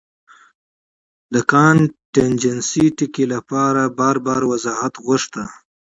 د کانټېنجنسي ټکي له پاره بار بار وضاحت غوښتۀ